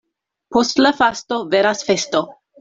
Post la fasto venas festo.